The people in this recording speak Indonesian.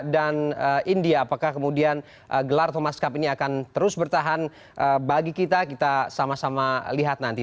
dan india apakah kemudian gelar thomas cup ini akan terus bertahan bagi kita kita sama sama lihat nanti